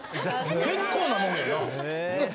結構なもんやな。